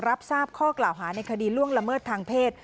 รับทราบข้อกล่าวหาในคดีล่วงละเมิดทางเพศ